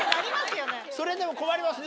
それでも困りますね